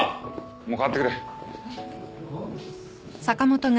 もう代わってくれ。